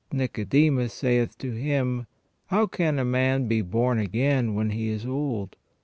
Nicodemus saith to Him : How can a man be born again when he is old